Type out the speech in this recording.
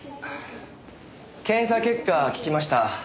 検査結果聞きました。